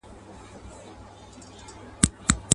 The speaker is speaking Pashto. نه یې غوږ وو پر ښکنځلو پر جنګونو.